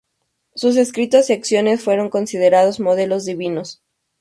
Sus escritos y acciones fueron considerados modelos divinos.